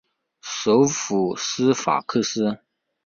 首府斯法克斯。